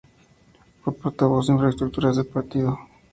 Fue portavoz de Infraestructuras del Partido.